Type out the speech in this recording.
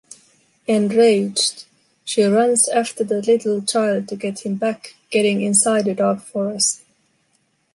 Enraged, she runs after the little child to get him back, getting inside a dark forest.